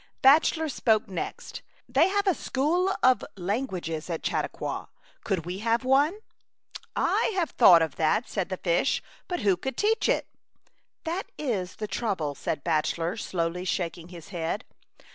Bachelor spoke next :" They have a School of Languages at Chautauqua, could we have one ?"" I have thought of that,*' said the fish, " but who could teach it ?'' "That is the trouble," said Bach elor, slowly shaking his head.